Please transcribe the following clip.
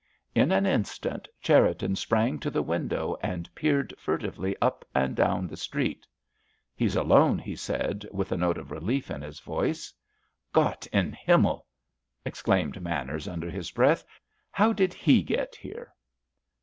In an instant Cherriton sprang to the window and peered furtively up and down the street. "He's alone," he said, with a note of relief in his voice. "Gott in Himmel!" exclaimed Manners under his breath. "How did he get here?"